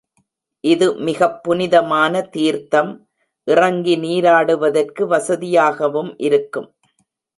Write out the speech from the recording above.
இது மிகப் புனிதமான தீர்த்தம் இறங்கி நீராடுவதற்கு வசதியாகவும் இருக்கும்.